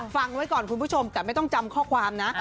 ฟังไว้ก่อนคุณผู้ชมแต่ไม่ต้องจำข้อความนะ